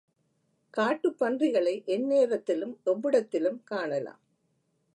காட்டுப் பன்றிகளை எந்நேரத்திலும் எவ்விடத்திலும் காணலாம்.